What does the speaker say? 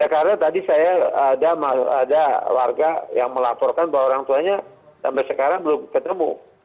karena tadi saya ada warga yang melaporkan bahwa orang tuanya sampai sekarang belum ketemu